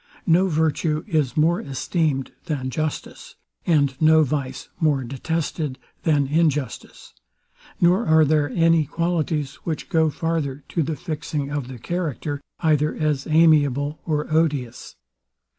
No virtue is more esteemed than justice, and no vice more detested than injustice; nor are there any qualities, which go farther to the fixing the character, either as amiable or odious.